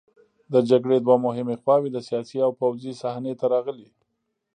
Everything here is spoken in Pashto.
د جګړې دوه مهمې خواوې د سیاسي او پوځي صحنې ته راغلې.